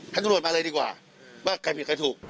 ตำรวจมาเลยดีกว่าว่าใครผิดใครถูก